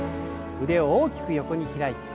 腕を大きく横に開いて。